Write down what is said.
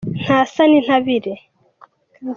Ntasa n’intabire